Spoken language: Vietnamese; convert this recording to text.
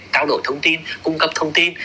cao đổi thông tin cung cấp thông tin